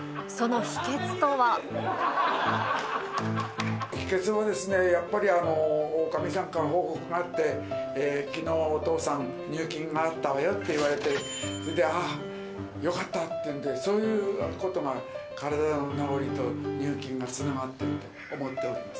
秘けつは、やっぱり、おかみさんから報告があって、きのうお父さん、入金があったわよって言われて、それで、あっ、よかったっていうんで、そういうことが、体の治りと入金がつながってると思っております。